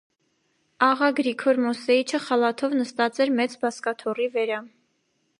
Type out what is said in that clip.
Աղա Գրիգոր Մոսեիչը խալաթով նստած էր մեծ բազկաթոռի վերա: